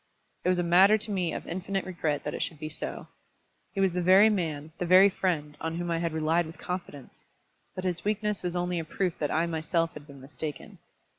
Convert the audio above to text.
It was a matter to me of infinite regret that it should be so. He was the very man, the very friend, on whom I had relied with confidence! But his weakness was only a proof that I myself had been mistaken.